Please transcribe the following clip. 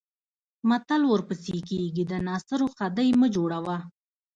متل ورپسې کېږي د ناصرو خدۍ مه جوړوه.